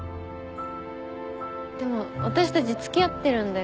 でも私たち付き合ってるんだよね？